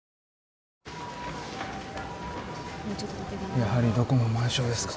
やはりどこも満床ですか。